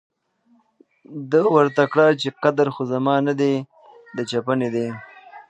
ده ورته کړه چې قدر خو زما نه دی، د چپنې دی.